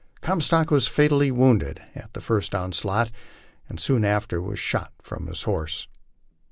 Comstock was fatally wounded at the first onslaught, and soon after was shot from his horse.